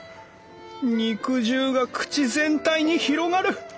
肉汁が口全体に広がる。